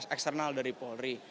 external dari polri